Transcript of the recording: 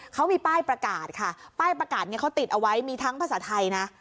เขามีป้ายประกาศค่ะป้ายประกาศนี้เขาติดเอาไว้มีทั้งภาษาไทยนะ